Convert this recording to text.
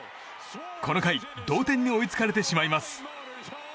この回同点に追いつかれてしまいます。